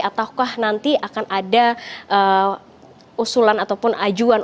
ataukah nanti akan ada usulan ataupun ajuan